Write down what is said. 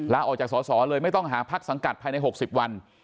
ลาออกจากสอสอเลยไม่ต้องหาพักสังกัดภายใน๖๐วัน